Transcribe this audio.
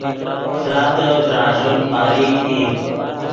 فراتے ڤراݱین باریک ای